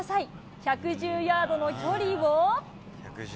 １１０ヤードの距離を。